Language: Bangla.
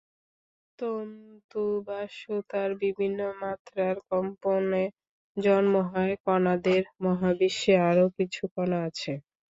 তন্তু বা সূতার বিভিন্ন মাত্রার কম্পনে জন্ম হয় কণাদের মহাবিশ্বে আরও কিছু কণা আছে।